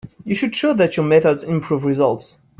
You should show that your method improves results.